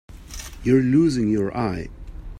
You're losing your eye.